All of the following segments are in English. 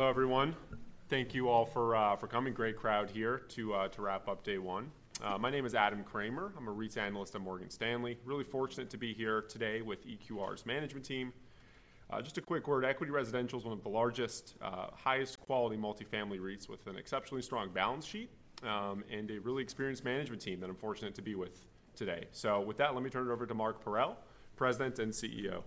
Hello, everyone. Thank you all for coming. Great crowd here to wrap up day one. My name is Adam Kramer. I'm a REITs analyst at Morgan Stanley. Really fortunate to be here today with EQR's management team. Just a quick word: Equity Residential is one of the largest, highest quality multifamily REITs with an exceptionally strong balance sheet, and a really experienced management team that I'm fortunate to be with today. So with that, let me turn it over to Mark Parrell, President and CEO.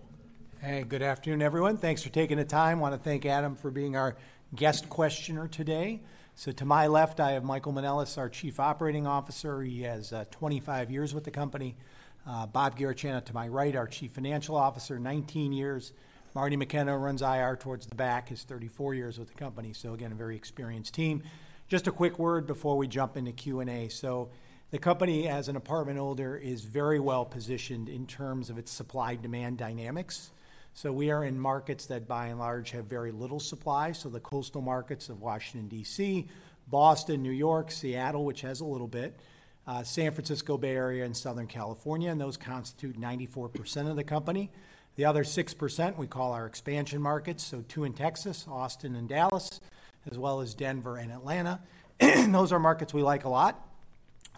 Hey, good afternoon, everyone. Thanks for taking the time. Wanna thank Adam for being our guest questioner today. So to my left, I have Michael Manelis, our Chief Operating Officer. He has 25 years with the company. Bob Garechana, to my right, our Chief Financial Officer, 19 years. Marty McKenna, who runs IR, towards the back, has 34 years with the company. So again, a very experienced team. Just a quick word before we jump into Q&A. So the company, as an apartment owner, is very well positioned in terms of its supply-demand dynamics. So we are in markets that, by and large, have very little supply. So the coastal markets of Washington, D.C., Boston, New York, Seattle, which has a little bit, San Francisco Bay Area, and Southern California, and those constitute 94% of the company. The other 6% we call our expansion markets, so two in Texas, Austin and Dallas, as well as Denver and Atlanta. Those are markets we like a lot.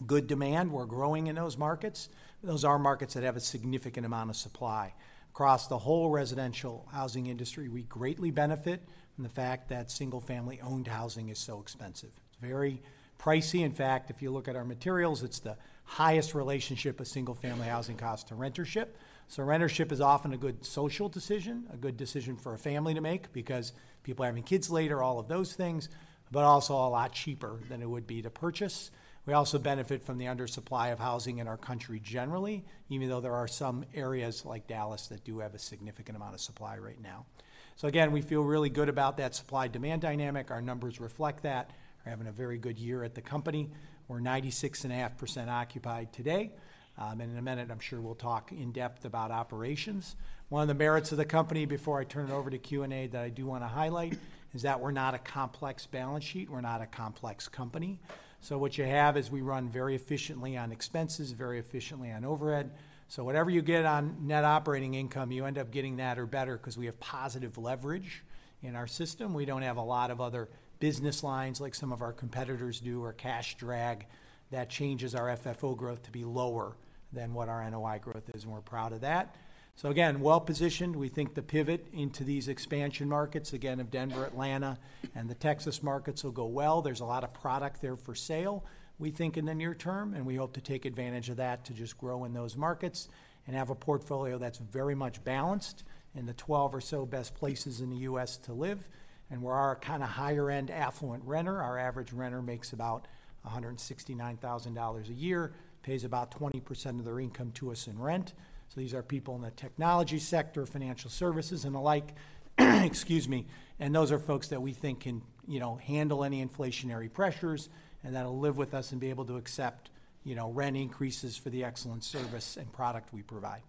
Good demand. We're growing in those markets. Those are markets that have a significant amount of supply. Across the whole residential housing industry, we greatly benefit from the fact that single-family owned housing is so expensive. It's very pricey. In fact, if you look at our materials, it's the highest relationship of single-family housing cost to rentership. So rentership is often a good social decision, a good decision for a family to make because people are having kids later, all of those things, but also a lot cheaper than it would be to purchase. We also benefit from the undersupply of housing in our country generally, even though there are some areas like Dallas that do have a significant amount of supply right now. So again, we feel really good about that supply-demand dynamic. Our numbers reflect that. We're having a very good year at the company. We're 96.5% occupied today. And in a minute, I'm sure we'll talk in depth about operations. One of the merits of the company, before I turn it over to Q&A, that I do wanna highlight is that we're not a complex balance sheet. We're not a complex company. So what you have is we run very efficiently on expenses, very efficiently on overhead. So whatever you get on net operating income, you end up getting that or better 'cause we have positive leverage in our system. We don't have a lot of other business lines like some of our competitors do, or cash drag that changes our FFO growth to be lower than what our NOI growth is, and we're proud of that. So again, well-positioned. We think the pivot into these expansion markets, again, of Denver, Atlanta, and the Texas markets will go well. There's a lot of product there for sale, we think, in the near term, and we hope to take advantage of that to just grow in those markets and have a portfolio that's very much balanced in the 12 or so best places in the U.S. to live. And we're our kind of higher-end, affluent renter. Our average renter makes about $169,000 a year, pays about 20% of their income to us in rent. So these are people in the technology sector, financial services, and the like. Excuse me. Those are folks that we think can, you know, handle any inflationary pressures and that'll live with us and be able to accept, you know, rent increases for the excellent service and product we provide.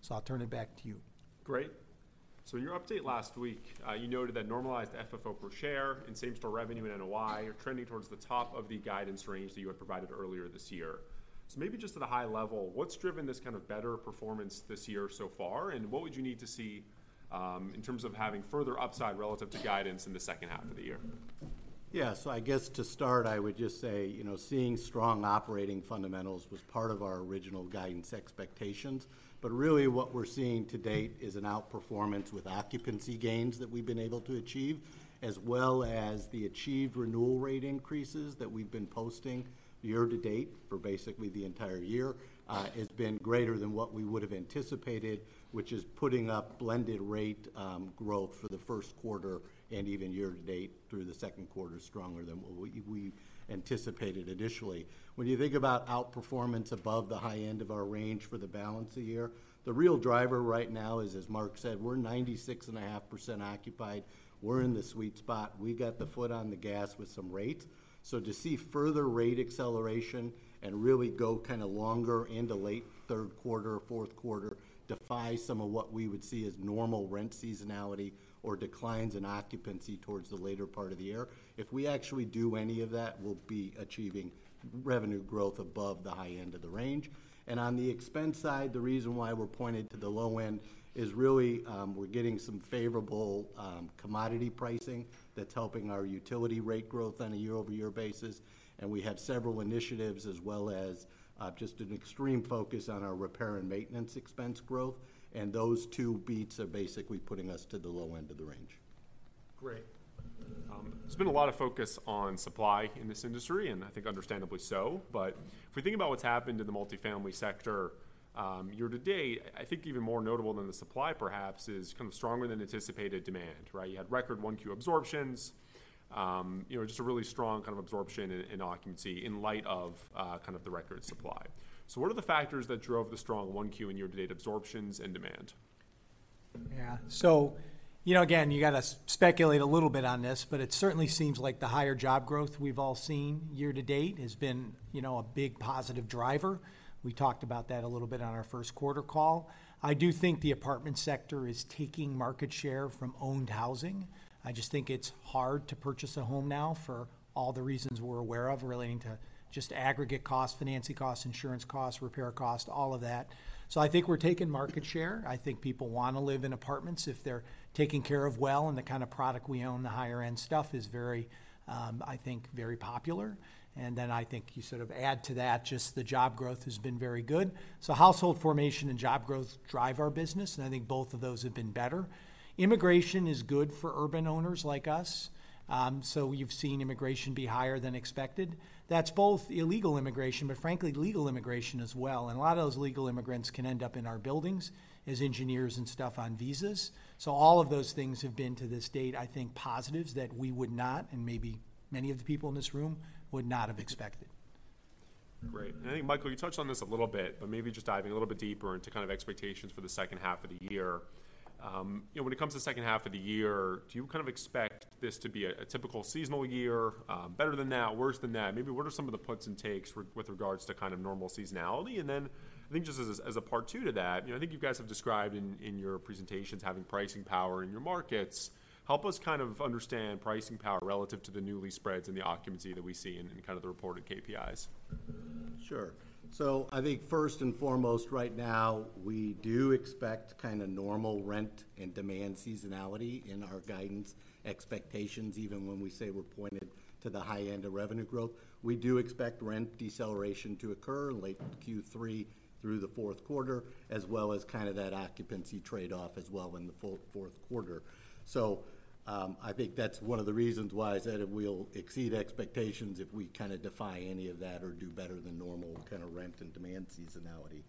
So I'll turn it back to you. Great. So in your update last week, you noted that normalized FFO per share and same-store revenue and NOI are trending towards the top of the guidance range that you had provided earlier this year. So maybe just at a high level, what's driven this kind of better performance this year so far, and what would you need to see, in terms of having further upside relative to guidance in the second half of the year? Yeah. So I guess to start, I would just say, you know, seeing strong operating fundamentals was part of our original guidance expectations. But really, what we're seeing to date is an outperformance with occupancy gains that we've been able to achieve, as well as the achieved renewal rate increases that we've been posting year to date for basically the entire year has been greater than what we would have anticipated, which is putting up blended rate growth for the first quarter and even year to date through the second quarter, stronger than what we anticipated initially. When you think about outperformance above the high end of our range for the balance of the year, the real driver right now is, as Mark said, we're 96.5% occupied. We're in the sweet spot. We got the foot on the gas with some rates. So to see further rate acceleration and really go kind of longer into late third quarter, fourth quarter, defies some of what we would see as normal rent seasonality or declines in occupancy towards the later part of the year. If we actually do any of that, we'll be achieving revenue growth above the high end of the range. And on the expense side, the reason why we're pointed to the low end is really, we're getting some favorable commodity pricing that's helping our utility rate growth on a year-over-year basis. And we have several initiatives, as well as, just an extreme focus on our repair and maintenance expense growth, and those two beats are basically putting us to the low end of the range. Great. There's been a lot of focus on supply in this industry, and I think understandably so. But if we think about what's happened in the multifamily sector, year to date, I think even more notable than the supply, perhaps, is kind of stronger-than-anticipated demand, right? You had record 1Q absorptions, you know, just a really strong kind of absorption and occupancy in light of kind of the record supply. So what are the factors that drove the strong 1Q and year-to-date absorptions and demand? Yeah. So, you know, again, you got to speculate a little bit on this, but it certainly seems like the higher job growth we've all seen year to date has been, you know, a big positive driver. We talked about that a little bit on our first quarter call. I do think the apartment sector is taking market share from owned housing. I just think it's hard to purchase a home now for all the reasons we're aware of relating to just aggregate costs, financing costs, insurance costs, repair costs, all of that. So I think we're taking market share. I think people want to live in apartments if they're taken care of well, and the kind of product we own, the higher-end stuff, is very, I think, very popular. And then I think you sort of add to that, just the job growth has been very good. So household formation and job growth drive our business, and I think both of those have been better. Immigration is good for urban owners like us. So we've seen immigration be higher than expected. That's both illegal immigration, but frankly, legal immigration as well. And a lot of those legal immigrants can end up in our buildings as engineers and stuff on visas. So all of those things have been, to this date, I think, positives that we would not, and maybe many of the people in this room, would not have expected. Great. And I think, Michael, you touched on this a little bit, but maybe just diving a little bit deeper into kind of expectations for the second half of the year. You know, when it comes to second half of the year, do you kind of expect this to be a typical seasonal year, better than that, worse than that? Maybe what are some of the puts and takes with regards to kind of normal seasonality? And then I think just as a part two to that, you know, I think you guys have described in your presentations, having pricing power in your markets. Help us kind of understand pricing power relative to the new lease spreads and the occupancy that we see in kind of the reported KPIs. Sure. So I think first and foremost, right now, we do expect kind of normal rent and demand seasonality in our guidance expectations, even when we say we're pointed to the high end of revenue growth. We do expect rent deceleration to occur late Q3 through the fourth quarter, as well as kind of that occupancy trade-off as well in the full fourth quarter. So, I think that's one of the reasons why I said we'll exceed expectations if we kind of defy any of that or do better than normal kind of rent and demand seasonality.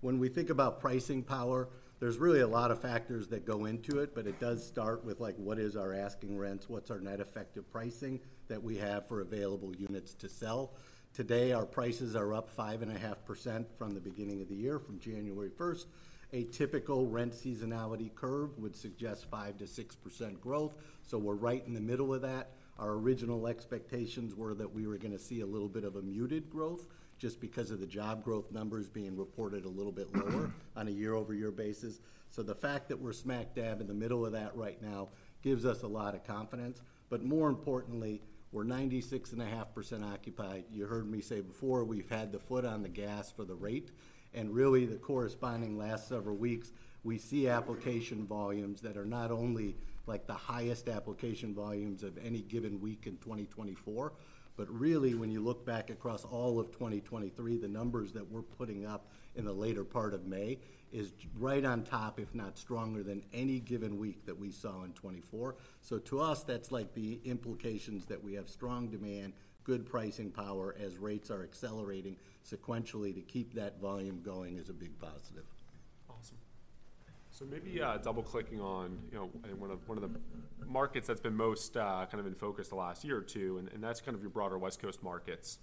When we think about pricing power, there's really a lot of factors that go into it, but it does start with, like, what is our asking rents? What's our net effective pricing that we have for available units to sell? Today, our prices are up 5.5% from the beginning of the year, from January first. A typical rent seasonality curve would suggest 5%-6% growth, so we're right in the middle of that. Our original expectations were that we were going to see a little bit of a muted growth just because of the job growth numbers being reported a little bit lower on a year-over-year basis. So the fact that we're smack dab in the middle of that right now gives us a lot of confidence. But more importantly, we're 96.5% occupied. You heard me say before, we've had the foot on the gas for the rate, and really, the corresponding last several weeks, we see application volumes that are not only like the highest application volumes of any given week in 2024, but really, when you look back across all of 2023, the numbers that we're putting up in the later part of May is just right on top, if not stronger than any given week that we saw in 2024. So to us, that's like the implications that we have strong demand, good pricing power, as rates are accelerating sequentially to keep that volume going is a big positive. Awesome. So maybe double-clicking on, you know, one of the markets that's been most kind of in focus the last year or two, and that's kind of your broader West Coast markets.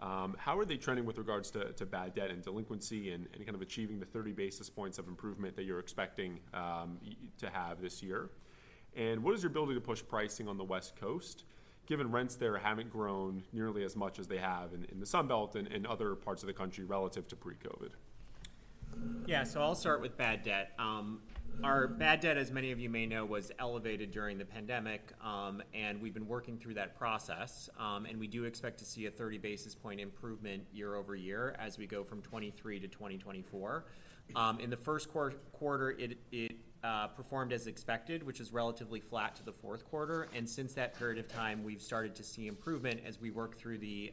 How are they trending with regards to bad debt and delinquency and kind of achieving the 30 basis points of improvement that you're expecting to have this year? And what is your ability to push pricing on the West Coast, given rents there haven't grown nearly as much as they have in the Sun Belt and other parts of the country relative to pre-COVID? Yeah. So I'll start with bad debt. Our bad debt, as many of you may know, was elevated during the pandemic, and we've been working through that process. And we do expect to see a 30 basis point improvement year-over-year as we go from 2023 to 2024. In the first quarter, it performed as expected, which is relatively flat to the fourth quarter. And since that period of time, we've started to see improvement as we work through the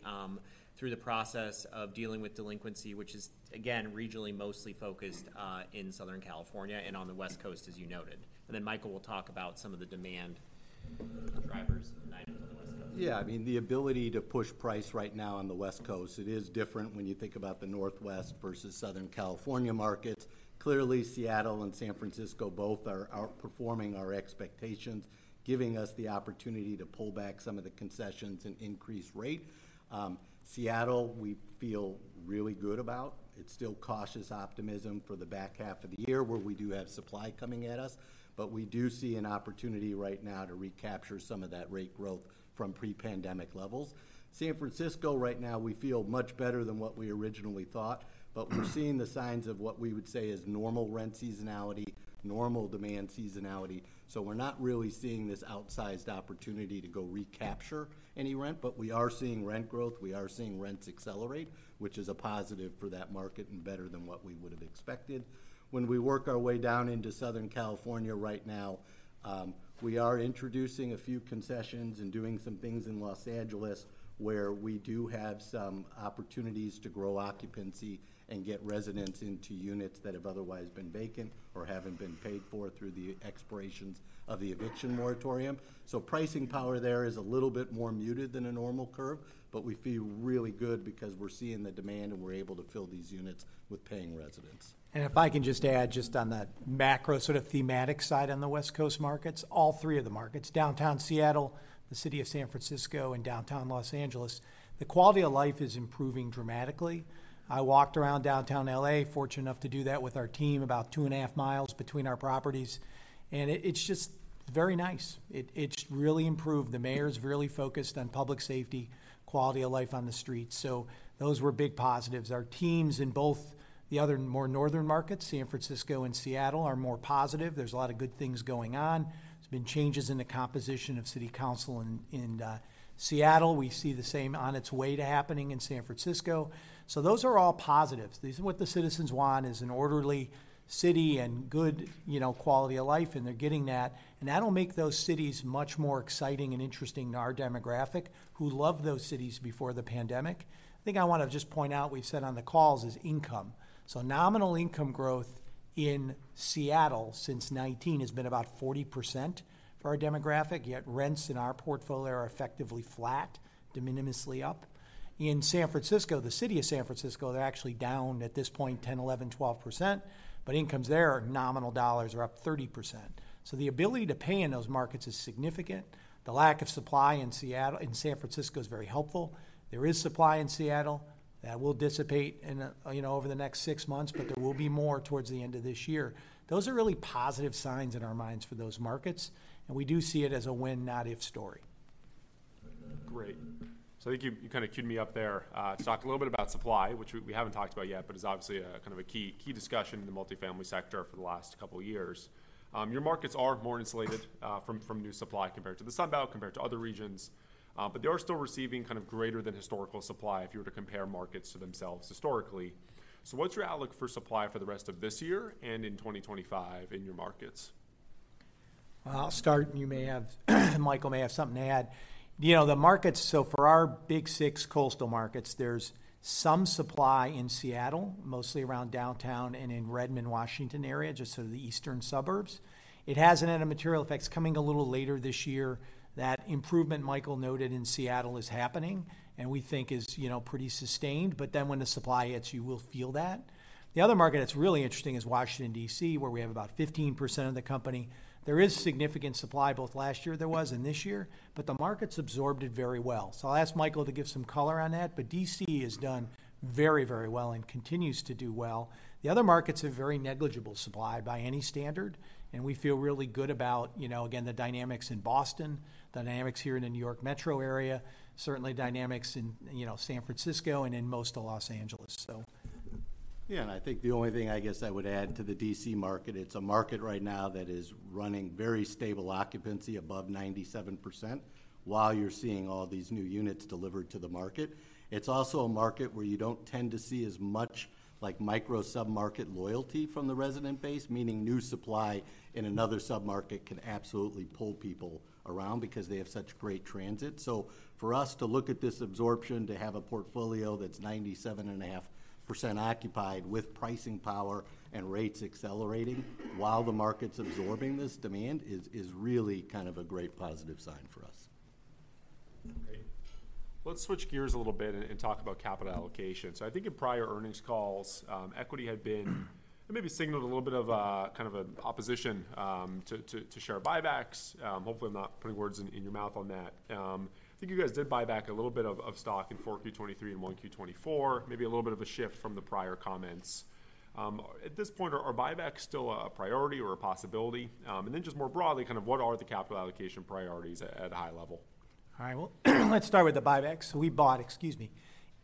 process of dealing with delinquency, which is, again, regionally mostly focused in Southern California and on the West Coast, as you noted. And then Michael will talk about some of the demand drivers on the West Coast. Yeah, I mean, the ability to push price right now on the West Coast, it is different when you think about the Northwest versus Southern California markets. Clearly, Seattle and San Francisco both are outperforming our expectations, giving us the opportunity to pull back some of the concessions and increase rate. Seattle, we feel really good about. It's still cautious optimism for the back half of the year, where we do have supply coming at us, but we do see an opportunity right now to recapture some of that rate growth from pre-pandemic levels. San Francisco, right now, we feel much better than what we originally thought, but we're seeing the signs of what we would say is normal rent seasonality, normal demand seasonality. So we're not really seeing this outsized opportunity to go recapture any rent, but we are seeing rent growth. We are seeing rents accelerate, which is a positive for that market and better than what we would have expected. When we work our way down into Southern California right now, we are introducing a few concessions and doing some things in Los Angeles, where we do have some opportunities to grow occupancy and get residents into units that have otherwise been vacant or haven't been paid for through the expirations of the eviction moratorium. So pricing power there is a little bit more muted than a normal curve, but we feel really good because we're seeing the demand, and we're able to fill these units with paying residents. If I can just add, just on the macro sort of thematic side on the West Coast markets, all three of the markets, downtown Seattle, the city of San Francisco, and downtown Los Angeles, the quality of life is improving dramatically. I walked around downtown LA, fortunate enough to do that with our team, about 2.5 miles between our properties, and it, it's just very nice. It, it's really improved. The mayor's really focused on public safety, quality of life on the streets, so those were big positives. Our teams in both the other more northern markets, San Francisco and Seattle, are more positive. There's a lot of good things going on. There's been changes in the composition of city council in, in, Seattle. We see the same on its way to happening in San Francisco. So those are all positives. This is what the citizens want, is an orderly city and good, you know, quality of life, and they're getting that, and that'll make those cities much more exciting and interesting to our demographic, who loved those cities before the pandemic. I think I want to just point out, we've said on the calls, is income. So nominal income growth in Seattle since 2019 has been about 40% for our demographic, yet rents in our portfolio are effectively flat, de minimis up. In San Francisco, the city of San Francisco, they're actually down at this point 10%-12%, but incomes there are nominal dollars are up 30%. So the ability to pay in those markets is significant. The lack of supply in Seattle - in San Francisco is very helpful. There is supply in Seattle that will dissipate in, you know, over the next six months, but there will be more towards the end of this year. Those are really positive signs in our minds for those markets, and we do see it as a when, not if, story. Great. So I think you kind of cued me up there. You talked a little bit about supply, which we haven't talked about yet, but is obviously a kind of a key discussion in the multifamily sector for the last couple of years. Your markets are more insulated from new supply compared to the Sun Belt, compared to other regions. But they are still receiving kind of greater than historical supply if you were to compare markets to themselves historically. So what's your outlook for supply for the rest of this year and in 2025 in your markets? Well, I'll start, and you may have, Michael may have something to add. You know, the markets. So for our big six coastal markets, there's some supply in Seattle, mostly around downtown and in Redmond, Washington, area, just so the eastern suburbs. It hasn't had a material effects coming a little later this year. That improvement Michael noted in Seattle is happening, and we think is, you know, pretty sustained. But then when the supply hits, you will feel that. The other market that's really interesting is Washington, D.C., where we have about 15% of the company. There is significant supply, both last year there was and this year, but the market's absorbed it very well. So I'll ask Michael to give some color on that, but D.C. has done very, very well and continues to do well. The other markets have very negligible supply by any standard, and we feel really good about, you know, again, the dynamics in Boston, the dynamics here in the New York metro area, certainly dynamics in, you know, San Francisco and in most of Los Angeles, so. Yeah, and I think the only thing I guess I would add to the D.C. market, it's a market right now that is running very stable occupancy above 97%, while you're seeing all these new units delivered to the market. It's also a market where you don't tend to see as much like micro submarket loyalty from the resident base, meaning new supply in another submarket can absolutely pull people around because they have such great transit. So for us to look at this absorption, to have a portfolio that's 97.5% occupied with pricing power and rates accelerating while the market's absorbing this demand, is really kind of a great positive sign for us. Okay, let's switch gears a little bit and talk about capital allocation. So I think in prior earnings calls, Equity had been, and maybe signaled a little bit of, kind of an opposition, to share buybacks. Hopefully, I'm not putting words in your mouth on that. I think you guys did buy back a little bit of stock in Q4 2023 and Q1 2024. Maybe a little bit of a shift from the prior comments. At this point, are buybacks still a priority or a possibility? And then just more broadly, kind of what are the capital allocation priorities at a high level? All right. Well, let's start with the buybacks. So we bought, excuse me,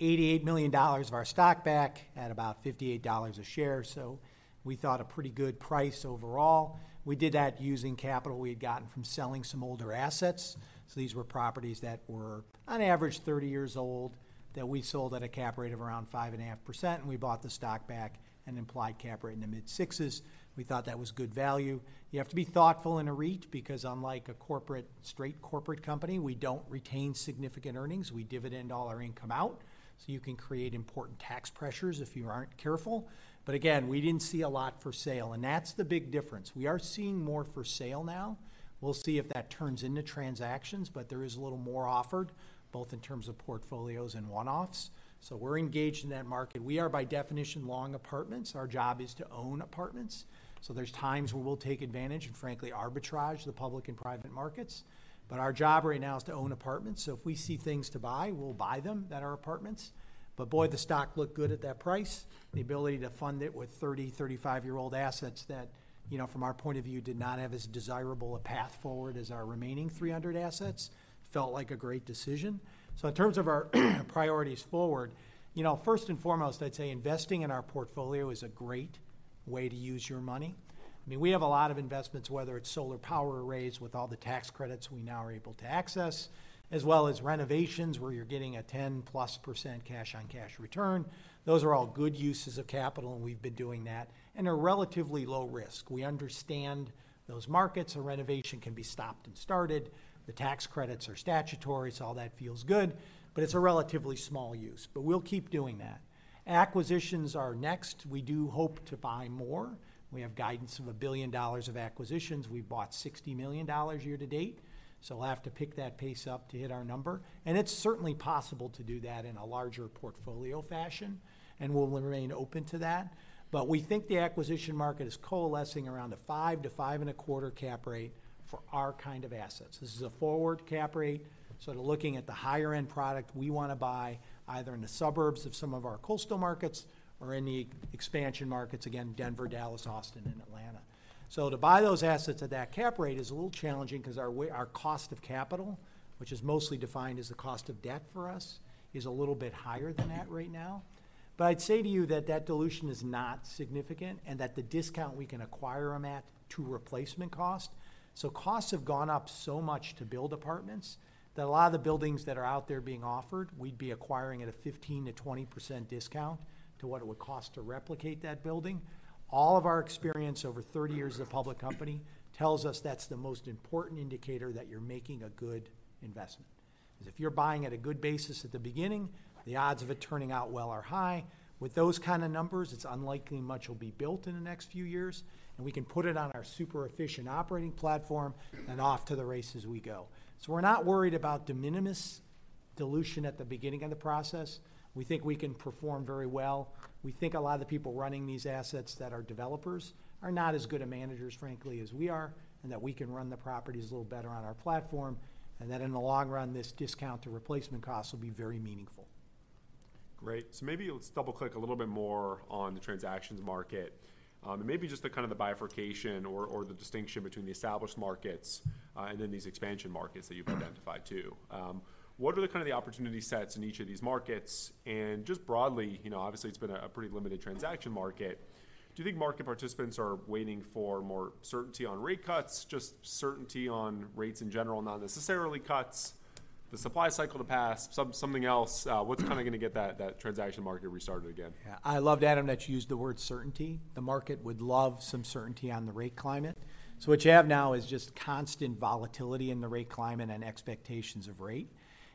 $88 million of our stock back at about $58 a share. So we thought a pretty good price overall. We did that using capital we had gotten from selling some older assets. So these were properties that were on average 30 years old, that we sold at a cap rate of around 5.5%, and we bought the stock back, an implied cap rate in the mid-6s. We thought that was good value. You have to be thoughtful in a REIT, because unlike a corporate, straight corporate company, we don't retain significant earnings. We dividend all our income out, so you can create important tax pressures if you aren't careful. But again, we didn't see a lot for sale, and that's the big difference. We are seeing more for sale now. We'll see if that turns into transactions, but there is a little more offered, both in terms of portfolios and one-offs. So we're engaged in that market. We are, by definition, long apartments. Our job is to own apartments. So there's times where we'll take advantage and frankly, arbitrage the public and private markets, but our job right now is to own apartments. So if we see things to buy, we'll buy them, that are apartments. But boy, the stock looked good at that price. The ability to fund it with 30- and 35-year-old assets that, you know, from our point of view, did not have as desirable a path forward as our remaining 300 assets, felt like a great decision. So in terms of our priorities forward, you know, first and foremost, I'd say investing in our portfolio is a great way to use your money. I mean, we have a lot of investments, whether it's solar power arrays, with all the tax credits we now are able to access, as well as renovations, where you're getting a 10%+ cash on cash return. Those are all good uses of capital, and we've been doing that and are relatively low risk. We understand those markets. A renovation can be stopped and started. The tax credits are statutory, so all that feels good, but it's a relatively small use. But we'll keep doing that. Acquisitions are next. We do hope to buy more. We have guidance of $1 billion of acquisitions. We've bought $60 million year to date, so we'll have to pick that pace up to hit our number. And it's certainly possible to do that in a larger portfolio fashion, and we'll remain open to that. We think the acquisition market is coalescing around a 5-5.25 cap rate for our kind of assets. This is a forward cap rate, so looking at the higher end product, we want to buy either in the suburbs of some of our coastal markets or in the expansion markets, again, Denver, Dallas, Austin, and Atlanta. To buy those assets at that cap rate is a little challenging because our cost of capital, which is mostly defined as the cost of debt for us, is a little bit higher than that right now. I'd say to you that that dilution is not significant and that the discount we can acquire them at to replacement cost. So costs have gone up so much to build apartments, that a lot of the buildings that are out there being offered, we'd be acquiring at a 15%-20% discount to what it would cost to replicate that building. All of our experience over 30 years of public company tells us that's the most important indicator that you're making a good investment. Is if you're buying at a good basis at the beginning, the odds of it turning out well are high. With those kind of numbers, it's unlikely much will be built in the next few years, and we can put it on our super efficient operating platform, and off to the races we go. So we're not worried about de minimis dilution at the beginning of the process. We think we can perform very well. We think a lot of the people running these assets that are developers are not as good of managers, frankly, as we are, and that we can run the properties a little better on our platform, and that in the long run, this discount to replacement costs will be very meaningful. Great. So maybe let's double-click a little bit more on the transactions market, and maybe just the kind of the bifurcation or, or the distinction between the established markets, and then these expansion markets that you've identified, too. What are the kind of the opportunity sets in each of these markets? And just broadly, you know, obviously, it's been a pretty limited transaction market. Do you think market participants are waiting for more certainty on rate cuts, just certainty on rates in general, not necessarily cuts, the supply cycle to pass, something else? What's kind of going to get that transaction market restarted again? Yeah. I loved, Adam, that you used the word "certainty." The market would love some certainty on the rate climate. So what you have now is just constant volatility in the rate climate and expectations of rate.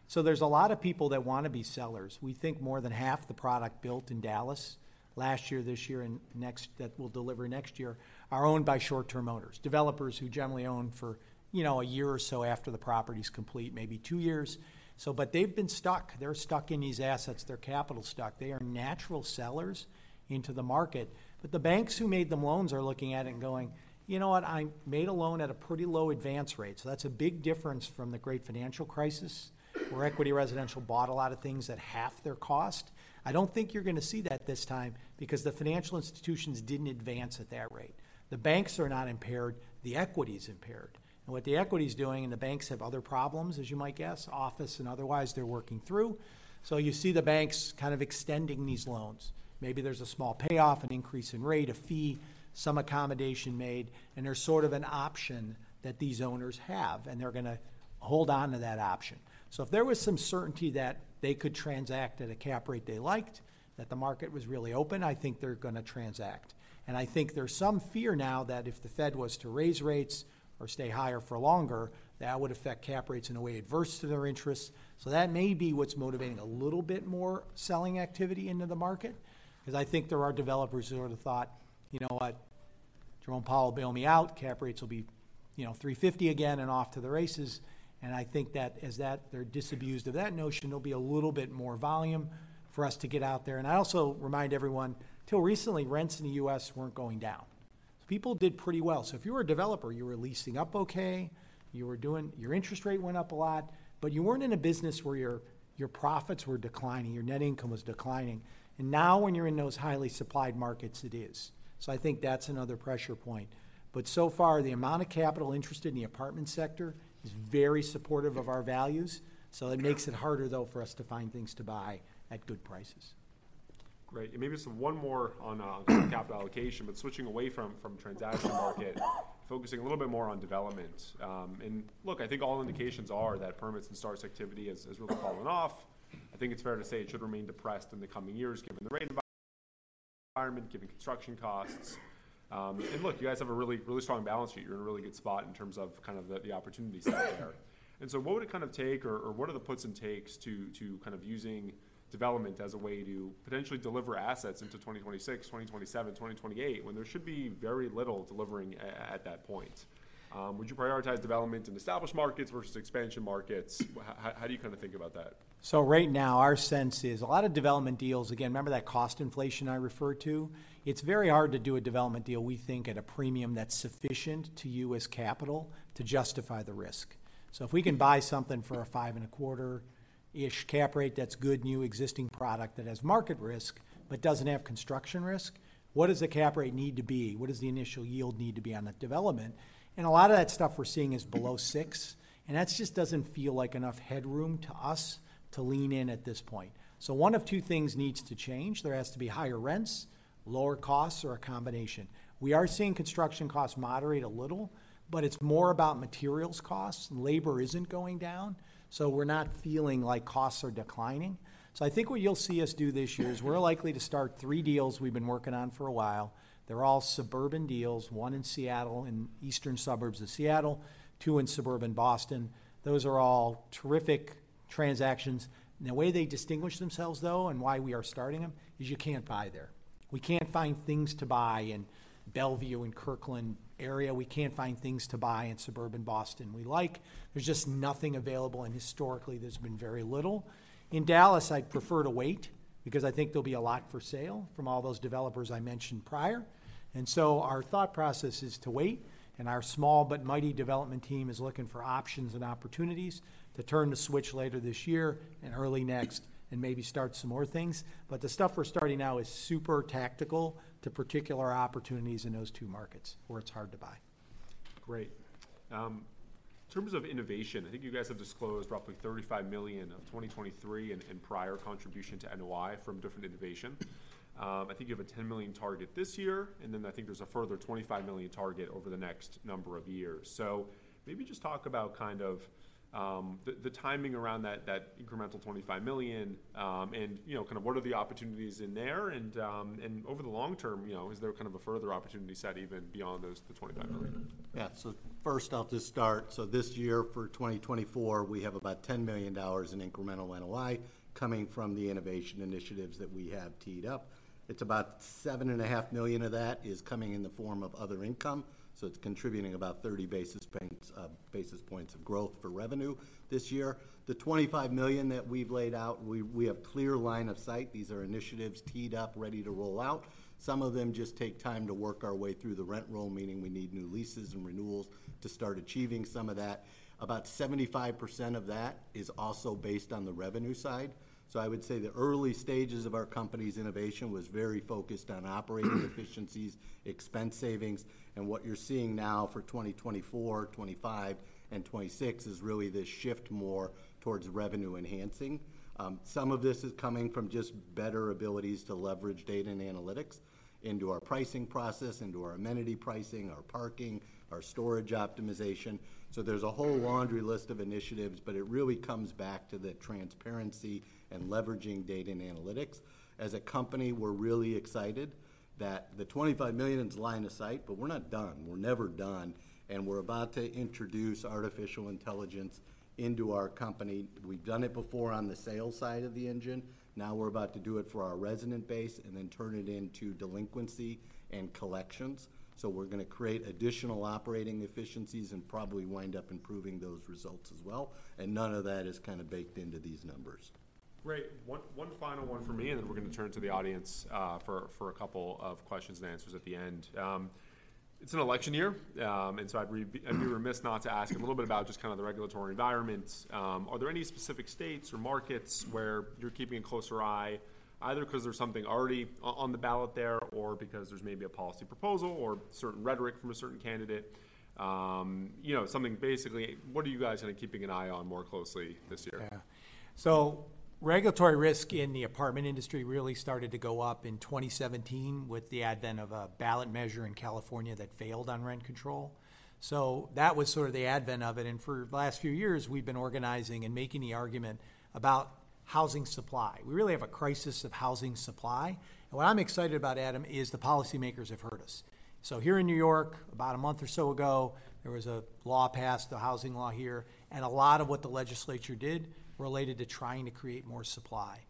So there's a lot of people that want to be sellers. We think more than half the product built in Dallas last year, this year, and next, that will deliver next year, are owned by short-term owners, developers who generally own for, you know, a year or so after the property's complete, maybe two years. So but they've been stuck. They're stuck in these assets. They're capital stuck. They are natural sellers into the market, but the banks who made them loans are looking at it and going, "You know what? I made a loan at a pretty low advance rate." So that's a big difference from the Great Financial Crisis, where Equity Residential bought a lot of things at half their cost. I don't think you're going to see that this time because the financial institutions didn't advance at that rate. The banks are not impaired; the equity is impaired. And what the equity is doing, and the banks have other problems, as you might guess, office and otherwise, they're working through. So you see the banks kind of extending these loans. Maybe there's a small payoff, an increase in rate, a fee, some accommodation made, and there's sort of an option that these owners have, and they're going to hold on to that option. So if there was some certainty that they could transact at a cap rate they liked, that the market was really open, I think they're going to transact. And I think there's some fear now that if the Fed was to raise rates or stay higher for longer, that would affect cap rates in a way adverse to their interests. So that may be what's motivating a little bit more selling activity into the market, because I think there are developers who would have thought, "You know what? Jerome Powell will bail me out. Cap rates will be, you know, 3.50 again, and off to the races." And I think that as that, they're disabused of that notion, there'll be a little bit more volume for us to get out there. And I also remind everyone, till recently, rents in the U.S. weren't going down. So people did pretty well. So if you were a developer, you were leasing up okay, you were doing—your interest rate went up a lot, but you weren't in a business where your, your profits were declining, your net income was declining. And now, when you're in those highly supplied markets, it is. So I think that's another pressure point. But so far, the amount of capital interest in the apartment sector is very supportive of our values, so it makes it harder, though, for us to find things to buy at good prices. Great. And maybe just one more on capital allocation, but switching away from transaction market, focusing a little bit more on development. And look, I think all indications are that permits and starts activity has really fallen off. I think it's fair to say it should remain depressed in the coming years, given the rate environment, given construction costs. And look, you guys have a really, really strong balance sheet. You're in a really good spot in terms of kind of the opportunity set there. And so what would it kind of take, or what are the puts and takes to kind of using development as a way to potentially deliver assets into 2026, 2027, 2028, when there should be very little delivering at that point? Would you prioritize development in established markets versus expansion markets? How do you kind of think about that? So right now, our sense is a lot of development deals. Again, remember that cost inflation I referred to? It's very hard to do a development deal, we think, at a premium that's sufficient to U.S. capital to justify the risk. So if we can buy something for a 5.25-ish cap rate, that's good, new, existing product that has market risk but doesn't have construction risk, what does the cap rate need to be? What does the initial yield need to be on that development? And a lot of that stuff we're seeing is below 6, and that just doesn't feel like enough headroom to us to lean in at this point. So one of two things needs to change. There has to be higher rents, lower costs, or a combination. We are seeing construction costs moderate a little, but it's more about materials costs. Labor isn't going down, so we're not feeling like costs are declining. So I think what you'll see us do this year is we're likely to start three deals we've been working on for a while. They're all suburban deals, one in Seattle, in eastern suburbs of Seattle, two in suburban Boston. Those are all terrific transactions. And the way they distinguish themselves, though, and why we are starting them, is you can't buy there. We can't find things to buy in Bellevue and Kirkland area. We can't find things to buy in suburban Boston we like. There's just nothing available, and historically, there's been very little. In Dallas, I'd prefer to wait because I think there'll be a lot for sale from all those developers I mentioned prior. Our thought process is to wait, and our small but mighty development team is looking for options and opportunities to turn the switch later this year and early next, and maybe start some more things. But the stuff we're starting now is super tactical to particular opportunities in those two markets where it's hard to buy. Great. In terms of innovation, I think you guys have disclosed roughly $35 million of 2023 and, and prior contribution to NOI from different innovation. I think you have a $10 million target this year, and then I think there's a further $25 million target over the next number of years. So maybe just talk about kind of, the, the timing around that, that incremental $25 million, and, you know, kind of what are the opportunities in there? And, and over the long term, you know, is there kind of a further opportunity set even beyond those - the $25 million? Yeah. So first off, to start, so this year, for 2024, we have about $10 million in incremental NOI coming from the innovation initiatives that we have teed up. It's about $7.5 million of that is coming in the form of other income, so it's contributing about 30 basis points of growth for revenue this year. The $25 million that we've laid out, we have clear line of sight. These are initiatives teed up, ready to roll out. Some of them just take time to work our way through the rent roll, meaning we need new leases and renewals to start achieving some of that. About 75% of that is also based on the revenue side. So I would say the early stages of our company's innovation was very focused on operating efficiencies, expense savings, and what you're seeing now for 2024, 2025, and 2026 is really this shift more towards revenue enhancing. Some of this is coming from just better abilities to leverage data and analytics into our pricing process, into our amenity pricing, our parking, our storage optimization. So there's a whole laundry list of initiatives, but it really comes back to the transparency and leveraging data and analytics. As a company, we're really excited that the $25 million is line of sight, but we're not done. We're never done, and we're about to introduce artificial intelligence into our company. We've done it before on the sales side of the engine. Now we're about to do it for our resident base and then turn it into delinquency and collections. So we're going to create additional operating efficiencies and probably wind up improving those results as well, and none of that is kind of baked into these numbers. Great. One final one from me, and then we're going to turn to the audience for a couple of questions and answers at the end. It's an election year, and so I'd be remiss not to ask a little bit about just kind of the regulatory environment. Are there any specific states or markets where you're keeping a closer eye, either because there's something already on the ballot there, or because there's maybe a policy proposal or certain rhetoric from a certain candidate? You know, something basically, what are you guys kind of keeping an eye on more closely this year? Yeah. So regulatory risk in the apartment industry really started to go up in 2017 with the advent of a ballot measure in California that failed on rent control. So that was sort of the advent of it, and for the last few years, we've been organizing and making the argument about housing supply. We really have a crisis of housing supply, and what I'm excited about, Adam, is the policymakers have heard us. So here in New York, about a month or so ago, there was a law passed, a housing law here, and a lot of what the legislature did related to trying to create more supply.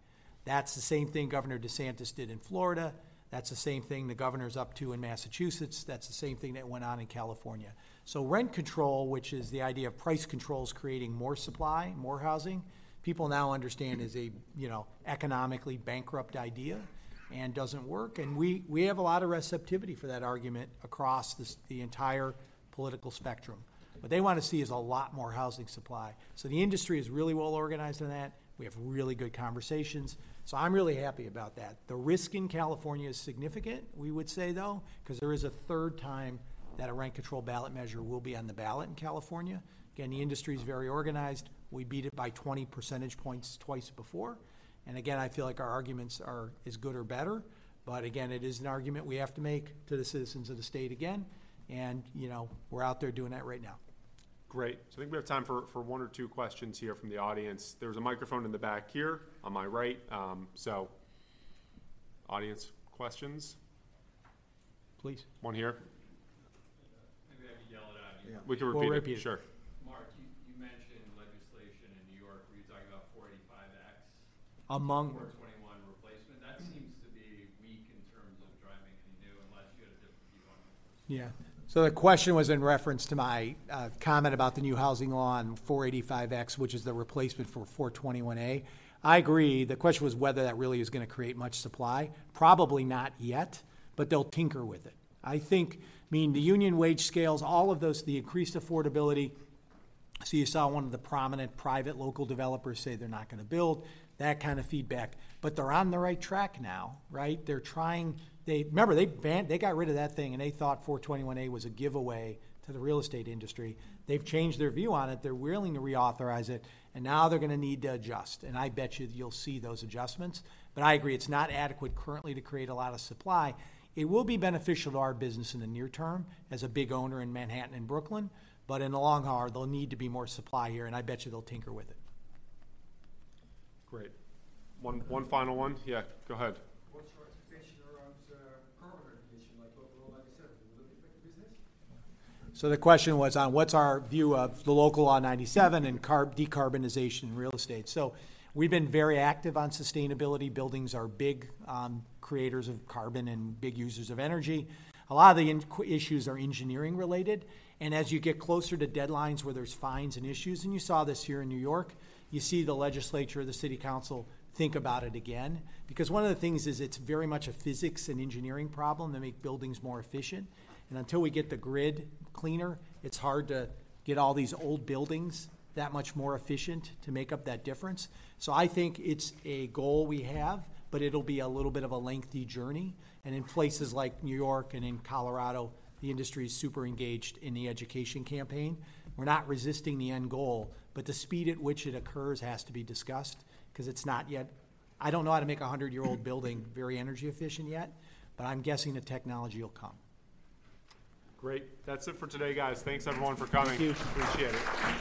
That's the same thing Governor DeSantis did in Florida. That's the same thing the governor's up to in Massachusetts. That's the same thing that went on in California. So rent control, which is the idea of price controls, creating more supply, more housing, people now understand is a, you know, economically bankrupt idea and doesn't work, and we, we have a lot of receptivity for that argument across the entire political spectrum. What they want to see is a lot more housing supply. So the industry is really well organized in that. We have really good conversations, so I'm really happy about that. The risk in California is significant, we would say, though, 'cause there is a third time that a rent control ballot measure will be on the ballot in California. Again, the industry is very organized. We beat it by 20 percentage points twice before, and again, I feel like our arguments are as good or better. But again, it is an argument we have to make to the citizens of the state again, and, you know, we're out there doing that right now. Great. So I think we have time for one or two questions here from the audience. There's a microphone in the back here on my right. So audience questions? Please. One here. Maybe I have to yell it out. Yeah, we can repeat it. We'll repeat it. Sure. Mark, you mentioned legislation in New York. Were you talking about 485-x? Among- 421-a replacement? That seems to be weak in terms of driving any new, unless you had a different view on it. Yeah. So the question was in reference to my comment about the new housing law on 485-x, which is the replacement for 421-a. I agree. The question was whether that really is going to create much supply. Probably not yet, but they'll tinker with it. I think, I mean, the union wage scales, all of those, the increased affordability. So you saw one of the prominent private local developers say they're not going to build, that kind of feedback. But they're on the right track now, right? They're trying. Remember, they got rid of that thing, and they thought 421-a was a giveaway to the real estate industry. They've changed their view on it. They're willing to reauthorize it, and now they're going to need to adjust, and I bet you that you'll see those adjustments. But I agree, it's not adequate currently to create a lot of supply. It will be beneficial to our business in the near term, as a big owner in Manhattan and Brooklyn, but in the long haul, there'll need to be more supply here, and I bet you they'll tinker with it. Great. One final one. Yeah, go ahead. What's your expectation around, like, carbon regulation, like, overall, like you said, will it affect the business? So the question was on what's our view of the Local Law 97 and carbon decarbonization in real estate. So we've been very active on sustainability. Buildings are big creators of carbon and big users of energy. A lot of the issues are engineering-related, and as you get closer to deadlines where there's fines and issues, and you saw this here in New York, you see the legislature or the city council think about it again. Because one of the things is it's very much a physics and engineering problem to make buildings more efficient, and until we get the grid cleaner, it's hard to get all these old buildings that much more efficient to make up that difference. So I think it's a goal we have, but it'll be a little bit of a lengthy journey, and in places like New York and in Colorado, the industry is super engaged in the education campaign. We're not resisting the end goal, but the speed at which it occurs has to be discussed, 'cause it's not yet. I don't know how to make a 100-year-old building very energy efficient yet, but I'm guessing the technology will come. Great. That's it for today, guys. Thanks, everyone, for coming. Thank you. Appreciate it.